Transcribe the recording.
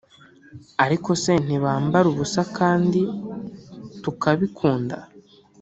Ariko se ntibambara ubusa kdi tukabikunda